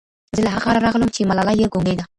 زه له هغه ښاره راغلم چي ملاله یې ګونګۍ ده